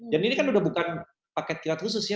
dan ini kan udah bukan paket kilat khusus ya